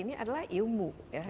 ini adalah ilmu ya